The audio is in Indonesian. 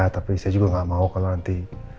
tapi saya juga nggak mau kalau nanti